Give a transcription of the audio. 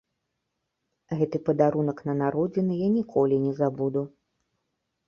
Гэты падарунак на народзіны я ніколі не забуду.